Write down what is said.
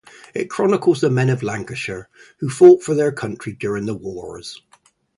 It chronicles the men of Lancashire who fought for their country during the wars.